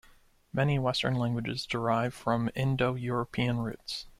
Many Western languages derive from Indo-European roots